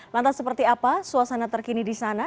lantas seperti apa suasana terkini di sana